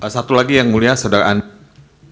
satu lagi yang mulia saudara anak